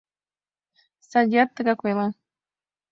— Судьят тыгак ойла.